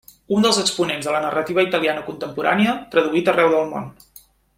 És un dels exponents de la narrativa italiana contemporània, traduït arreu del món.